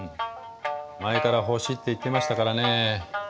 前から「欲しい」って言ってましたからね。